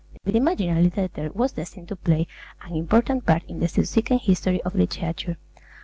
The imaginary letter was destined to play an important part in the subsequent history of literature.